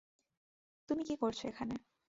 তুমি কি করছ এখানে?